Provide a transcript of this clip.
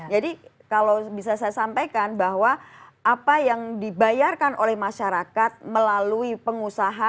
kalau bisa saya sampaikan bahwa apa yang dibayarkan oleh masyarakat melalui pengusaha